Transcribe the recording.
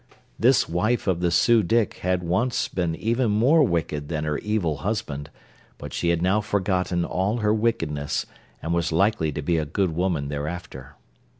This wife of the Su dic had once been even more wicked than her evil husband, but she had now forgotten all her wickedness and was likely to be a good woman thereafter.